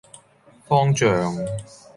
方丈